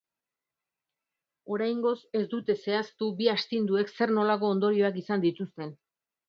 Oraingoz ez dute zehaztu bi astinduek zer-nolako ondorioak izan dituzten.